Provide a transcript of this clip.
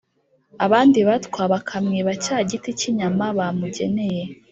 abandi batwa bakamwiba cya giti cy'inyama bamugeneye,